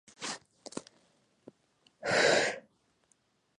The line saw an upsurge in housebuilding in Balerno.